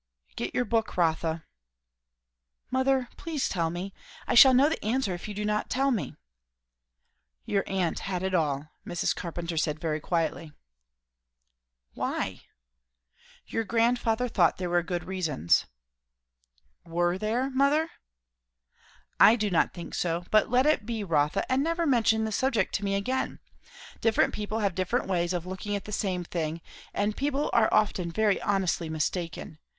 "Get your book, Rotha." "Mother, please tell me. I shall know the answer if you do not tell me." "Your aunt had it all," Mrs. Carpenter said very quietly. "Why?" "Your grandfather thought there were good reasons." "Were there, mother?" "I do not think so. But let it be, Rotha, and never mention this subject to me again. Different people have different ways of looking at the same thing; and people are often very honestly mistaken.